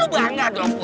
bangga ada dimana